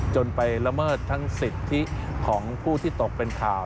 จนไปละเมิดทั้งสิทธิของผู้ที่ตกเป็นข่าว